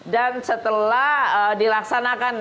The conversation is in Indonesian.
dan setelah dilaksanakan